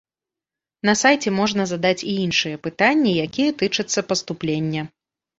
На сайце можна задаць і іншыя пытанні, якія тычацца паступлення.